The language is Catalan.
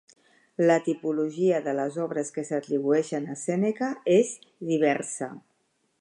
La tipologia de les obres que s'atribueixen a Sèneca és diversa.